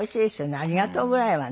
「ありがとう」ぐらいはね。